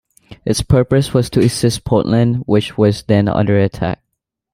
Its purpose was to assist Poland, which was then under attack.